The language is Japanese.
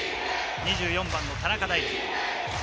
２４番の田中大貴。